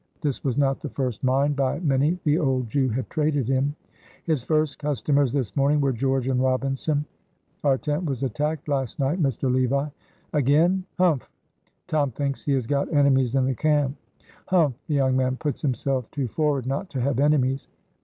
This was not the first mine by many the old Jew had traded in. His first customers this morning were George and Robinson. "Our tent was attacked last night, Mr. Levi." "Again? humph!" "Tom thinks he has got enemies in the camp." "Humph! the young man puts himself too forward not to have enemies."